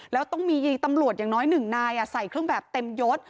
แล้วต้องมีตำรวจอย่างน้อยหนึ่งนายใส่เครื่องแบบเต็มยศ